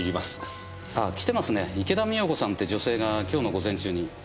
池田美代子さんって女性が今日の午前中に。